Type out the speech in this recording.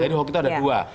jadi hoki itu ada dua